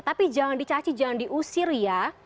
tapi jangan dicaci jangan diusir ya